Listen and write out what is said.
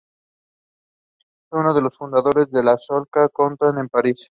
Fue uno de los fundadores de la Schola Cantorum de París.